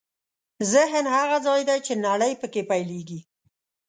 ذهن هغه ځای دی چې نړۍ پکې پیلېږي.